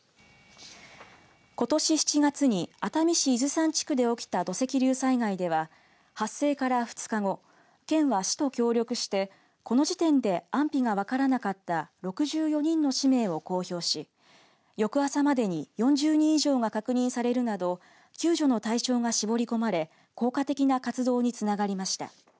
ことし７月に熱海市伊豆山地区で起きた土石流災害では発生から２日後県は市と協力して、この時点で安否が分からなかった６４人の氏名を公表し翌朝までに４０人以上が確認されるなど救助の対象が絞り込まれ効果的な活動につながりました。